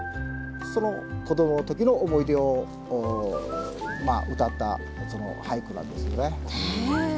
その子どもの時の思い出を歌った俳句なんですよね。